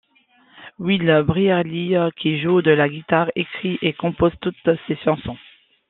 Will Brierly qui joue de la guitare, écrit et compose toutes ses chansons.